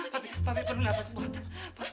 papi papi perlu napas buatan